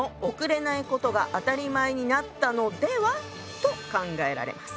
と考えられます。